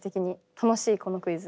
楽しいこのクイズ。